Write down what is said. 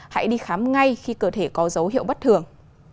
hãy đi khám ngay khi cơ thể có dấu hiệu bất thường